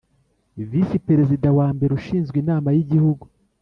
Visi Perezida wa mbere ushinzwe inama yigihugu